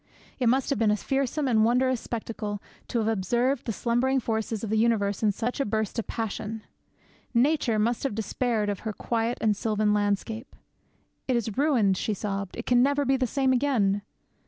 It must have been a fearsome and wondrous spectacle to have observed the slumbering forces of the universe in such a burst of passion! Nature must have despaired of her quiet and sylvan landscape. 'It is ruined,' she sobbed; 'it can never be the same again!'